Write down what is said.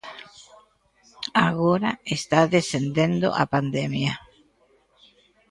Agora está descendendo a pandemia.